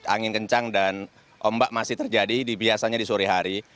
angin kencang dan ombak masih terjadi di biasanya di sore hari